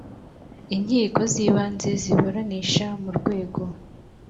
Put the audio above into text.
Inkiko z Ibanze ziburanisha mu rwego